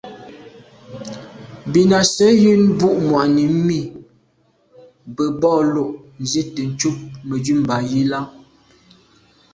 Bìn à’ sə̌’ njən mbu’ŋwà’nǐ mì bə̂ bo lô’ nzi’tə ncob Mə̀dʉ̂mbὰ yi lα.